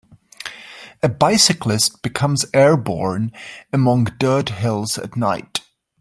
A bicyclist becomes airborne among dirt hills at night.